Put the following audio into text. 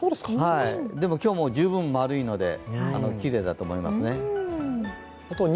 でも今日も十分丸いので、きれいだと思いますね。